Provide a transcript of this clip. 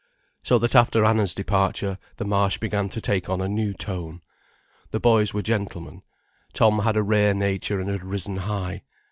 So that after Anna's departure, the Marsh began to take on a new tone. The boys were gentlemen; Tom had a rare nature and had risen high.